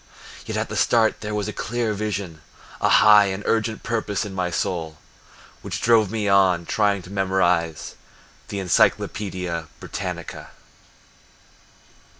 Yet at the start there was a clear vision, A high and urgent purpose in my soul Which drove me on trying to memorize The Encyclopedia Britannica!